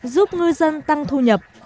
giúp ngư dân tăng thu nhuộm